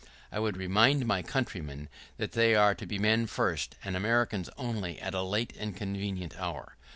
[¶32] I would remind my countrymen that they are to be men first, and Americans only at a late and convenient hour.